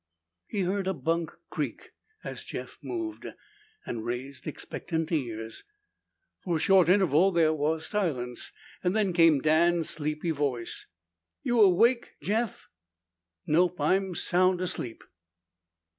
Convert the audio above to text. He heard a bunk creak as Jeff moved, and raised expectant ears. For a short interval there was silence. Then came Dan's sleepy voice. "You awake, Jeff?" "Nope. I'm sound asleep."